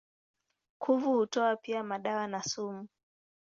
Kuvu hutoa pia madawa na sumu.